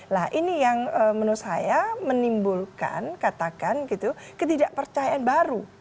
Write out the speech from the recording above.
nah ini yang menurut saya menimbulkan katakan gitu ketidakpercayaan baru